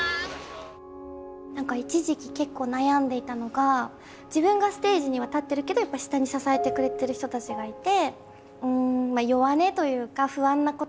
何か一時期結構悩んでいたのが自分がステージには立ってるけどやっぱ下に支えてくれてる人たちがいて。